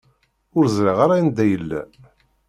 Ur ẓriɣ ara anda yella.